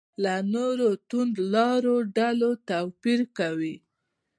له نورو توندلارو ډلو توپیر کړو.